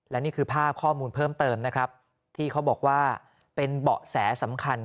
และนี่คือภาพข้อมูลเพิ่มเติมนะครับที่เขาบอกว่าเป็นเบาะแสสำคัญ